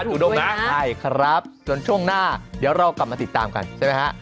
จูดงนะใช่ครับส่วนช่วงหน้าเดี๋ยวเรากลับมาติดตามกันใช่ไหมฮะ